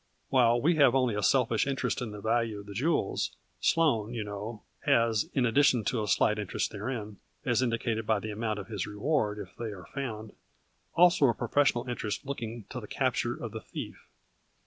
While we have only a selfish interest in the value of the jewels, Sloane, you know, has, in addition to a slight interest therein, as indicated by the amount of his reward if they are found, also a professional interest looking to the capture of the thief.